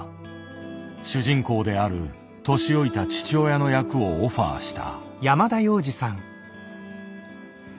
主人公である年老いた父親の役をオファーした。